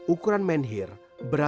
ukuran menhir beragam